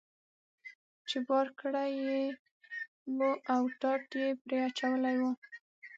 چې بار کړی یې و او ټاټ یې پرې اچولی و.